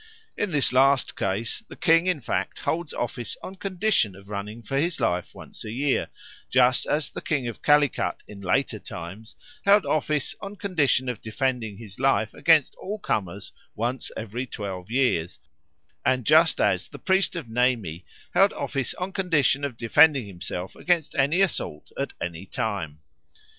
In this last case the king in fact holds office on condition of running for his life once a year, just as the King of Calicut in later times held office on condition of defending his life against all comers once every twelve years, and just as the priest of Nemi held office on condition of defending himself against any assault at any time.